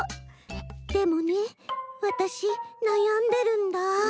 でもねわたしなやんでるんだ。